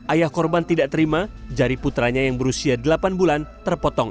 ayah korban tidak terima jari putranya yang berusia delapan bulan terpotong